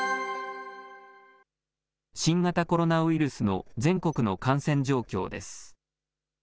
新型コロナウイルスの全国の感染状況です。